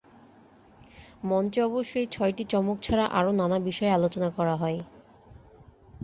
মঞ্চে অবশ্য ওই ছয়টি চমক ছাড়া আরও নানা বিষয়ে আলোচনা করা হয়।